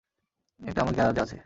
এটা আমার গ্যারাজে আছে!